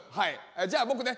じゃあ僕ね